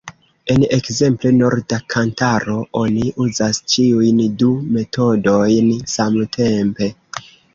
En ekzemple Norda Kantaro oni uzas ĉiujn du metodojn samtempe.